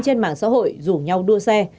trên mảng xã hội rủ nhau đua xe